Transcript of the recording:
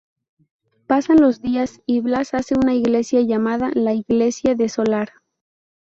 Pasan los días y Blas hace una Iglesia llamada La Iglesia de Solar.